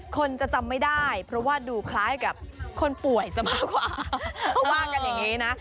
คนจะจำไม่ได้เพราะว่าดูคล้ายกับคนป่วยสมาขวา